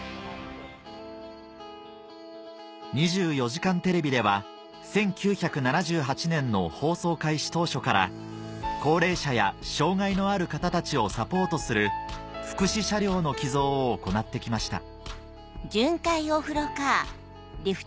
『２４時間テレビ』では１９７８年の放送開始当初から高齢者や障がいのある方たちをサポートする福祉車両の寄贈を行って来ました